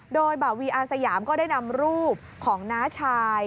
โดยบ่าวีอาสยามก็ได้นำรูปของน้าชาย